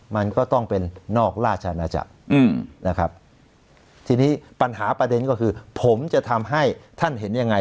มันก็ต้องเป็นนอกราชอาณาจักรนะครับทีนี้ปัญหาประเด็นก็คือผมจะทำให้ท่านเห็นยังไง